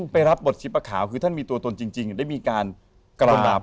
ไปรับบทชิปะขาวคือท่านมีตัวตนจริงได้มีการกรุณา